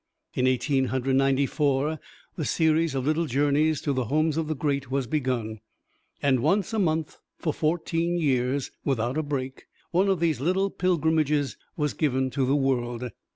In Eighteen Hundred Ninety four, the series of Little Journeys to the Homes of the Great was begun, and once a month for fourteen years, without a break, one of these little pilgrimages was given to the world.